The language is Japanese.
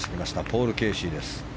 ポール・ケーシーです。